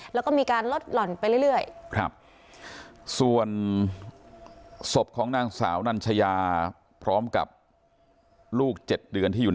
แล้วก็มีการลดหล่อนไปเรื่อย